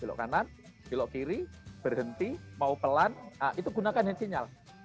belok kanan belok kiri berhenti mau pelan itu gunakan yang sinyal